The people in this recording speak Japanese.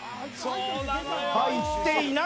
入っていない。